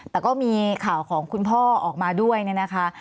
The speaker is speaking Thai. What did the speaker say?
แต่ก็มีข่าวของคุณพ่อออกมาด้วยเนี่ยนะคะ